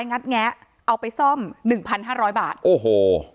งัดแงะเอาไปซ่อมหนึ่งพันห้าร้อยบาทโอ้โห